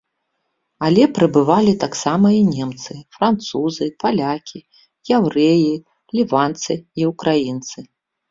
Але прыбывалі таксама і немцы, французы, палякі, яўрэі, ліванцы і украінцы.